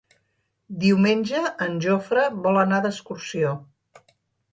Diumenge en Jofre vol anar d'excursió.